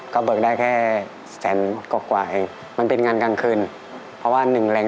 ก็เบิกได้แค่แสนกว่าเอง